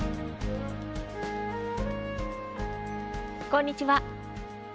こんにちは。